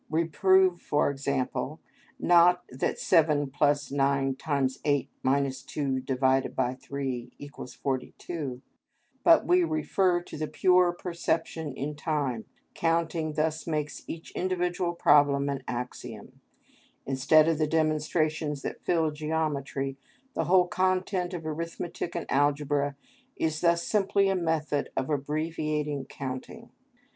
We prove, for example, not that (7 + 9 × 8 2)/3 = 42; but we refer to the pure perception in time, counting thus makes each individual problem an axiom. Instead of the demonstrations that fill geometry, the whole content of arithmetic and algebra is thus simply a method of abbreviating counting.